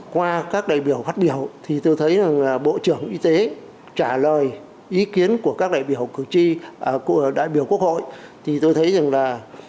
qua các đại biểu phát biểu thì tôi thấy rằng bộ trưởng y tế trả lời ý kiến của các đại biểu cử tri của đại biểu quốc hội thì tôi thấy rằng là